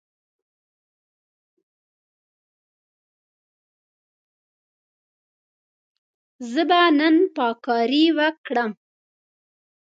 زه به نن پاککاري وکړم.